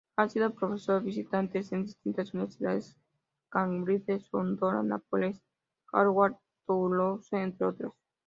Ha sido profesor visitante en distintas universidades: Cambridge, Sorbona, Nápoles, Harvard, Toulouse, entre otras.